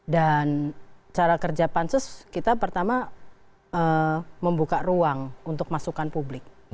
cara kerja pansus kita pertama membuka ruang untuk masukan publik